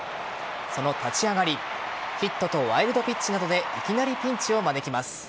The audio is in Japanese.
その立ち上がりヒットとワイルドピッチなどでいきなりピンチを招きます。